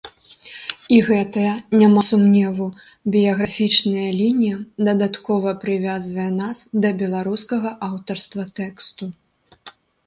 І гэтая, няма сумневу, біяграфічная лінія дадаткова прывязвае нас да беларускага аўтарства тэксту.